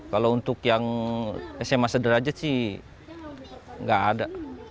kalau untuk yang sma sederajat sih nggak ada